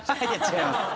違います。